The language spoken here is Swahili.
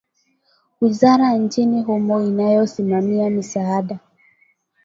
Wizara nchini humo inayosimamia misaada .